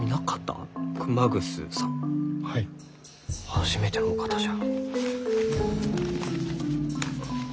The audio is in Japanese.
初めてのお方じゃ。